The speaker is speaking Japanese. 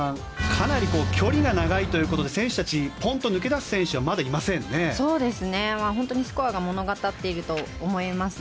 かなり距離が長いということ選手たち、ポンと抜け出す選手はスコアが物語っていると思います。